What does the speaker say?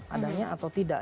adanya atau tidak